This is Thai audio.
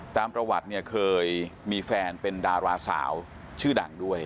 ตามประวัติเนี่ยเคยมีแฟนเป็นดาราสาวชื่อดังด้วย